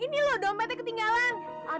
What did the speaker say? ini loh dompetnya ketinggalan